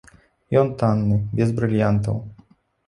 Ён танны, без брыльянтаў.